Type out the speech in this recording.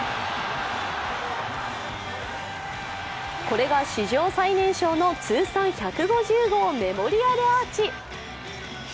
これが史上最年少の通算１５０号メモリアルアーチ。